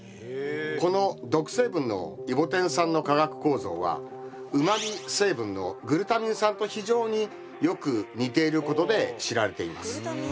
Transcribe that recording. この毒成分のイボテン酸の化学構造はうまみ成分のグルタミン酸と非常によく似ていることで知られています。